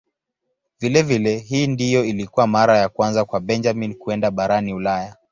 Vilevile hii ndiyo ilikuwa mara ya kwanza kwa Benjamin kwenda barani Ulaya.